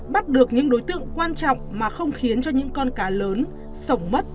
bắt được những đối tượng quan trọng mà không khiến cho những con cá lớn sổng mất